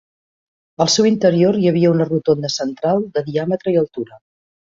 Al seu interior hi havia una rotonda central de diàmetre i altura.